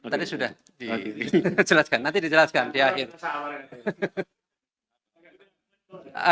tadi sudah dijelaskan nanti dijelaskan di akhir